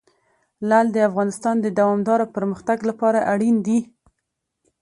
لعل د افغانستان د دوامداره پرمختګ لپاره اړین دي.